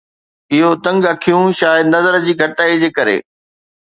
اهو تنگ اکيون شايد نظر جي گهڻائي جي ڪري